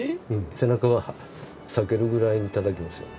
背中が裂けるぐらいにたたきますよ。